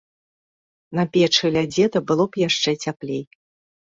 На печы, ля дзеда, было б яшчэ цяплей.